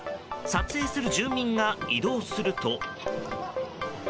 撮影する住民が移動すると。